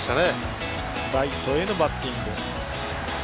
ライトへのバッティング。